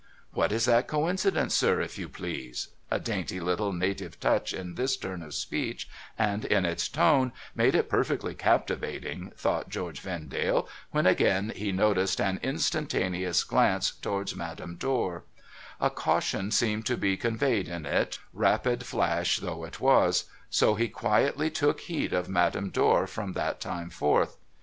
' What is that coincidence, sir, if you please ?' A dainty little native touch in this turn of speech, and in its tone, made it perfectly captivating, thought George Vendale, when again he noticed an instantaneous glance towards INIadame Dor, A caution seemed to be conveyed in it, rapid flash though it was; so he quietly took heed of Madame Dor from that time forth.